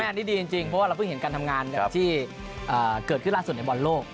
อันนี้ดีจริงเพราะว่าเราเพิ่งเห็นการทำงานแบบที่เกิดขึ้นล่าสุดในบอลโลก